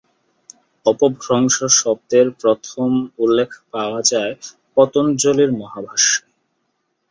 ‘অপভ্রংশ’ শব্দের প্রথম উল্লেখ পাওয়া যায় পতঞ্জলির মহাভাষ্যে।